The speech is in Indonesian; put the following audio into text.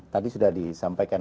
tadi sudah disampaikan